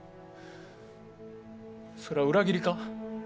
それは裏切りか？